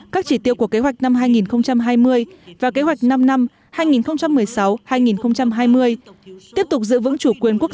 các chỉ tiêu của kế hoạch năm hai nghìn hai mươi và kế hoạch năm năm hai nghìn một mươi sáu hai nghìn hai mươi tiếp tục giữ vững chủ quyền quốc